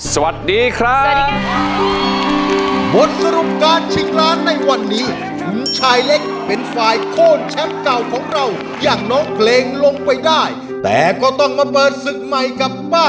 สวัสดีครับ